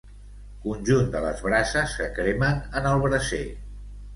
Conjunt de les brases que cremen en el braser.